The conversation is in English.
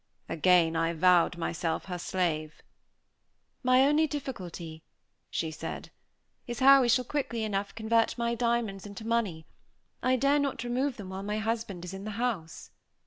Again I vowed myself her slave. "My only difficulty," she said, "is how we shall quickly enough convert my diamonds into money; I dare not remove them while my husband is in the house."